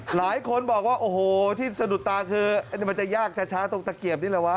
หลายคนบอกว่าโอ้โหที่สะดุดตาคืออันนี้มันจะยากช้าตรงตะเกียบนี่แหละวะ